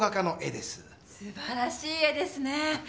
すばらしい絵ですね。